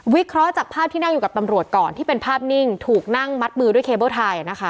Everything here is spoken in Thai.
เคราะห์จากภาพที่นั่งอยู่กับตำรวจก่อนที่เป็นภาพนิ่งถูกนั่งมัดมือด้วยเคเบิ้ลไทยนะคะ